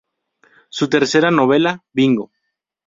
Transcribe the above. Su tercera novela, "Bingo!